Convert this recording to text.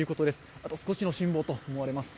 あと少し辛抱と思われます。